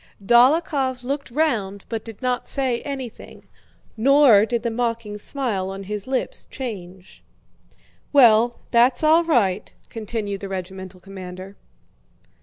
Dólokhov looked round but did not say anything, nor did the mocking smile on his lips change. "Well, that's all right," continued the regimental commander.